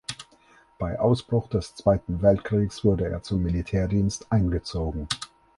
Bei Ausbruch des Zweiten Weltkriegs wurde er zum Militärdienst eingezogen.